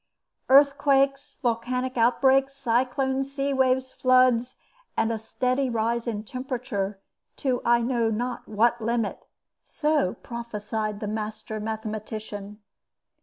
"Earthquakes, volcanic outbreaks, cyclones, sea waves, floods, and a steady rise in temperature to I know not what limit" so prophesied the master mathematician.